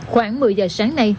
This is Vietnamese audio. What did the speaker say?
khoảng một mươi giờ sáng nay